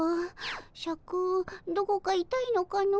シャクどこかいたいのかの？